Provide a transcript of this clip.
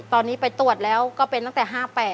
ตอนนี้ไปตรวจแล้วก็เป็นตั้งแต่๕๘